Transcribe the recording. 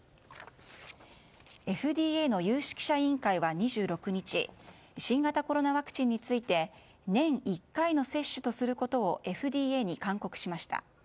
ＦＤＡの有識者委員会は２６日新型コロナワクチンについて年１回の接種とすることをＦＤＡに勧告しました。